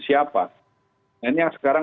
siapa nah ini yang sekarang